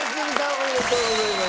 おめでとうございます。